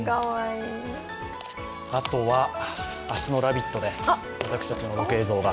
あとは明日の「ラヴィット！」で私たちのロケ映像が。